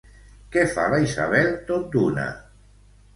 Què fa la Isabel tot d'una?